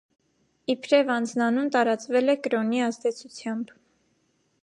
Իբրև անձնանուն տարածվել է կրոնի ազդեցությամբ։